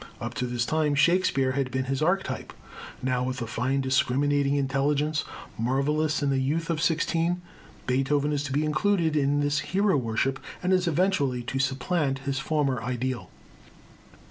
Up to this time Shakespeare had been his archetype. Now, with a fine discriminating intelligence, marvellous in a youth of sixteen, Beethoven is to be included in this hero worship, and is eventually to supplant his former ideal.